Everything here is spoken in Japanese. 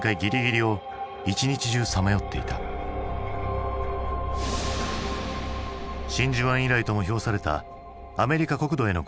真珠湾以来とも評されたアメリカ国土への攻撃に政府も混乱。